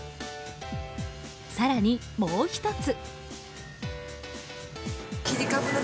更に、もう１つ。